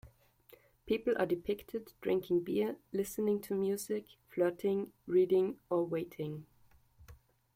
People are depicted drinking beer, listening to music, flirting, reading, or waiting.